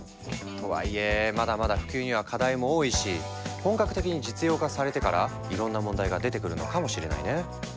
とはいえまだまだ普及には課題も多いし本格的に実用化されてからいろんな問題が出てくるのかもしれないね。